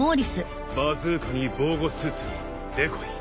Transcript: バズーカに防護スーツにデコイ。